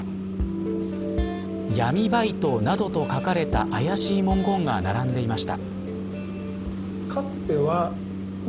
闇バイトなどと書かれた怪しい文言が並んでいました。